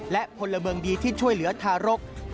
และพลเมืองดีที่ช่วยเหลือทารก